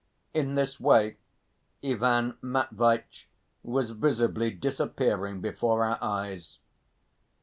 In this way Ivan Matveitch was visibly disappearing before our eyes.